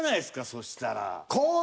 そしたら。